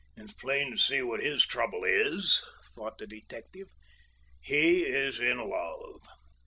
"It is plain to see what his trouble is," thought the detective. "He is in love."